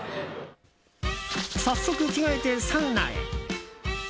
早速、着替えてサウナへ。